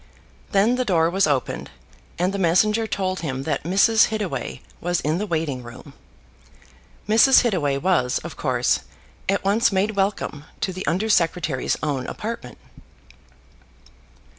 Then the door was opened, and the messenger told him that Mrs. Hittaway was in the waiting room. Mrs. Hittaway was, of course, at once made welcome to the Under Secretary's own apartment.